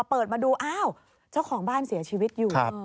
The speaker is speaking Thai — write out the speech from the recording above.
เปิดมาดูอ้าวเจ้าของบ้านเสียชีวิตอยู่